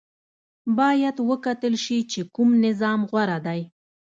باید وکتل شي چې کوم نظام غوره دی.